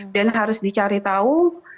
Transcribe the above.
dan harus dicari tahu